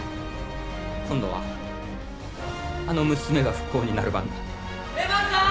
今度はあの娘が不幸になる番だ恵茉さん！